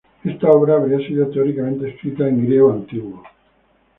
Esta obra habría sido teóricamente escrita en griego antiguo.